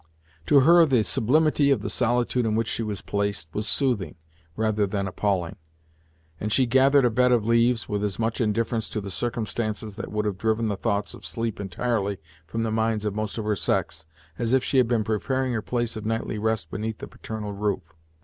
To her the sublimity of the solitude in which she was placed, was soothing, rather than appalling, and she gathered a bed of leaves, with as much indifference to the circumstances that would have driven the thoughts of sleep entirely from the minds of most of her sex, as if she had been preparing her place of nightly rest beneath the paternal roof.